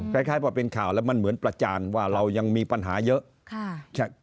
คล้ายว่าเป็นข่าวแล้วมันเหมือนประจานว่าเรายังมีปัญหาเยอะ